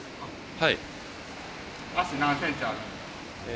はい。